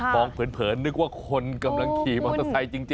เผินนึกว่าคนกำลังขี่มอเตอร์ไซค์จริง